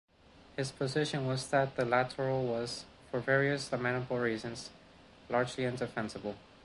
His position was that the Litoral was, for various lamentable reasons, largely indefensible.